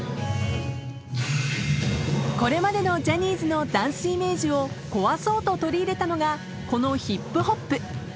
［これまでのジャニーズのダンスイメージを壊そうと取り入れたのがこのヒップホップ］